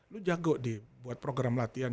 lo jago di buat program latihan